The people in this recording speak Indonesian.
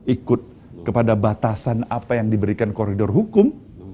ikut kepada batasan apa yang diberikan koridor hukum